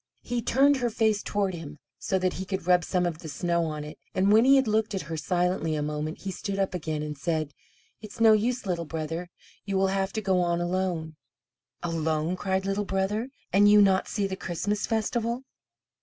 He turned her face toward him, so that he could rub some of the snow on it, and when he had looked at her silently a moment he stood up again, and said: "It's no use, Little Brother. You will have to go on alone." "Alone?" cried Little Brother. "And you not see the Christmas festival?"